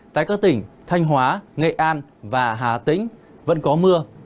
tại các tỉnh thanh hóa nghệ an và hà tĩnh vẫn có mưa